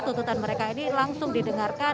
tuntutan mereka ini langsung didengarkan